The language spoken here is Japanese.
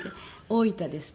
「大分です」